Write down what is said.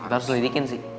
harus didikin sih